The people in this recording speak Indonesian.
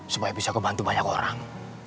supaya bisa kebantu banyak orang